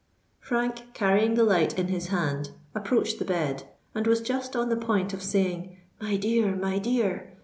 Frank, carrying the light in his hand, approached the bed, and was just on the point of saying, "My dear—my dear!"